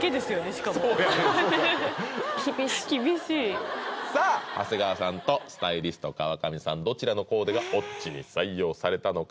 しかもそうやねんそうや厳しい厳しいさあ長谷川さんとスタイリスト・川上さんどちらのコーデが「Ｏｇｇｉ」に採用されたのか？